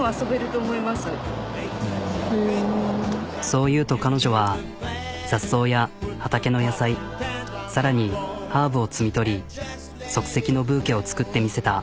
そう言うと彼女は雑草や畑の野菜さらにハーブを摘み取り即席のブーケを作ってみせた。